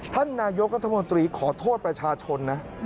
ท่านนายกรัฐมนตรีขอโทษประชาชนนะ